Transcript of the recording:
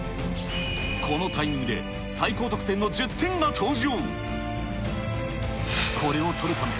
このタイミングで最高得点の１０点が登場。